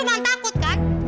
ibu cuma takut kan